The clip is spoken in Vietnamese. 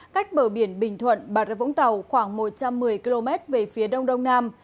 cách bờ biển bình thuận bà rơ vũng tàu khoảng một trăm một mươi km về phía đông đông nam